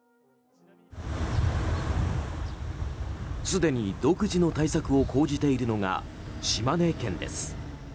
すでに独自の対策を講じているのが島根県です。